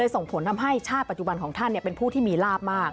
ส่งผลทำให้ชาติปัจจุบันของท่านเป็นผู้ที่มีลาบมาก